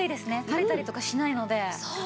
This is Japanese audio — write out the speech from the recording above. たれたりとかしないので。